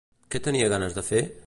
Què tenia ganes de fer?